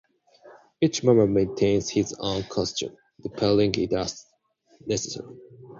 Each mummer maintains his own costume, repairing it as necessary.